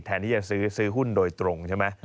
แทนที่จะซื้อหุ้นโดยตรงใช่ไหม